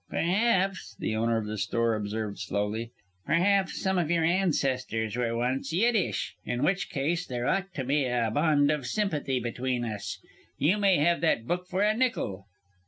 "Perhaps," the owner of the store observed slowly, "perhaps some of your ancestors were once Yiddish. In which case there ought to be a bond of sympathy between us. You may have that book for a nickel.